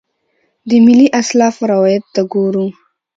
د ملي اسلافو روایت ته ګورو.